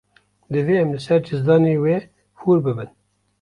Divê em li ser cizdanê we hûr bibin.